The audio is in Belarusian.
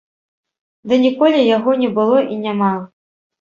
Ды ніколі яго не было і няма!